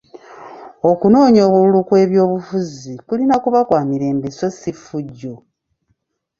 Okunoonya obululu kw'ebyobufuzi kulina kuba kwa mirembe so si ffujjo.